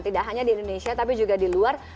tidak hanya di indonesia tapi juga di luar